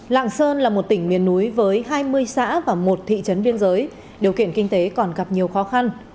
lạng sơn là một tỉnh miền núi với hai mươi xã và một thị trấn biên giới điều kiện kinh tế còn gặp nhiều khó khăn